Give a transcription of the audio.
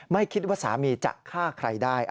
ไม่คิดว่าสามีจะฆ่าใครได้